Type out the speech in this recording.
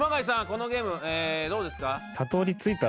このゲームどうですか？